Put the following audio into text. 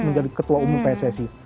menjadi ketua umum pssi